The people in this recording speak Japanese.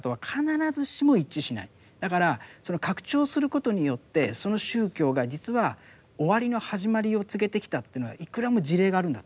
だからその拡張することによってその宗教が実は終わりの始まりを告げてきたというのはいくらも事例があるんだと思うんですよ。